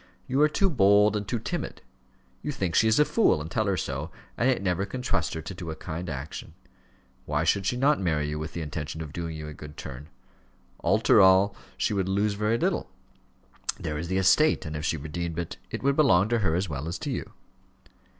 You are too bold, and too timid: you think she is a fool and tell her so, and yet never can trust her to do a kind action. Why should she not marry you with the intention of doing you a good turn? After all, she would lose very little: there is the estate, and if she redeemed it, it would belong to her as well as to you."